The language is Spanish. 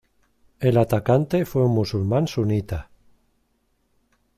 El atacante fue un musulmán sunita.